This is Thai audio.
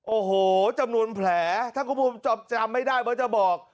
โอ้โหจำนวนแผลถ้าคุณผู้ชมจำไม่ได้เบิร์ตจะบอก